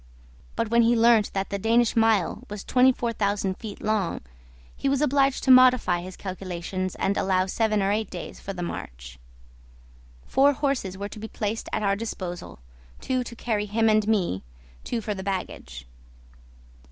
But when he learnt that the Danish mile was 24,000 feet long, he was obliged to modify his calculations and allow seven or eight days for the march. Four horses were to be placed at our disposal two to carry him and me, two for the baggage.